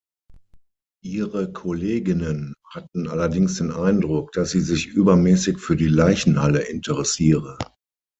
Ihre Kolleginnen hatten allerdings den Eindruck, dass sie sich übermäßig für die Leichenhalle interessiere.